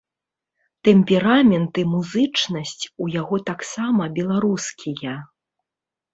Тэмперамент і музычнасць у яго таксама беларускія.